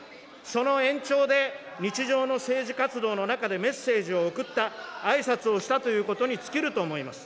その延長で、日常の政治活動の中でメッセージを送った、あいさつをしたということに尽きると思います。